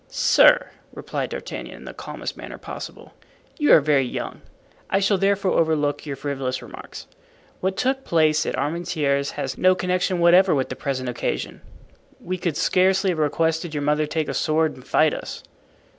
"Sir," replied D'Artagnan, in the calmest manner possible, "you are very young; I shall therefore overlook your frivolous remarks. What took place at Armentieres has no connection whatever with the present occasion. We could scarcely have requested your mother to take a sword and fight us."